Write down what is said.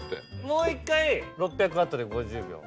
もう１回６００Ｗで５０秒。